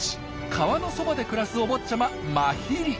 川のそばで暮らすお坊ちゃまマヒリ。